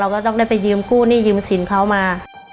ก็ต้องได้ไปยืมกู้หนี้ยืมสินเขามา